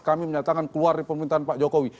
kami menyatakan keluar di pemerintahan pak jokowi